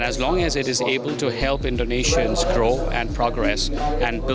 dan selagi itu dapat membantu indonesia untuk berkembang dan berkembang